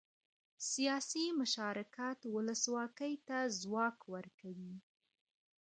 سیاسي مشارکت ولسواکۍ ته ځواک ورکوي